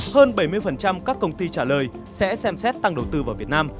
hơn bảy mươi các công ty trả lời sẽ xem xét tăng đầu tư vào việt nam